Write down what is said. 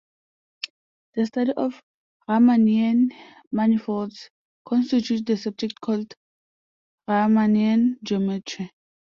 The study of Riemannian manifolds constitutes the subject called Riemannian geometry.